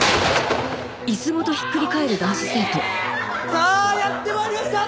さぁやってまいりました！